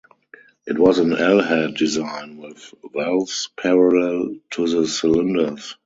It was an L-head design, with valves parallel to the cylinders.